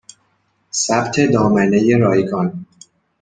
ثبت دامنه رایگان